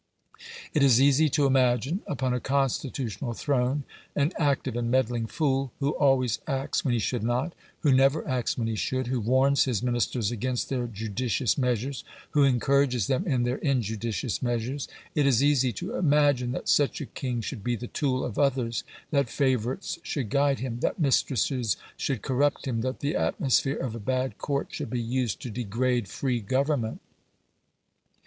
It is easy to imagine, upon a constitutional throne, an active and meddling fool who always acts when he should not, who never acts when he should, who warns his Ministers against their judicious measures, who encourages them in their injudicious measures. It is easy to imagine that such a king should be the tool of others; that favourites should guide him; that mistresses should corrupt him; that the atmosphere of a bad Court should be used to degrade free government.